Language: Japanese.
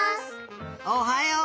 おはよう！